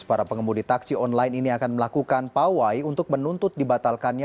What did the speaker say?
para pengemudi taksi online ini akan melakukan pawai untuk menuntut dibatalkannya